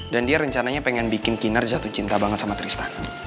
dan dia rencananya pengen bikin kinar jatuh cinta banget sama tristan